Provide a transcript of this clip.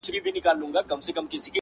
د عبدالهادي اغا د کور څنګ ته